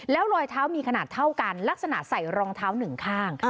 แล้วรอยเท้ามีขนาดเท่ากันลักษณะใส่รองเท้าหนึ่งข้าง